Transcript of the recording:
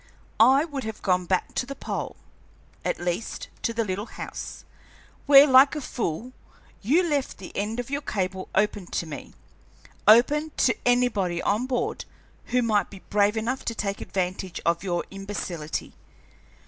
I would have gone back to the pole, at least to the little house, where, like a fool, you left the end of your cable open to me, open to anybody on board who might be brave enough to take advantage of your imbecility.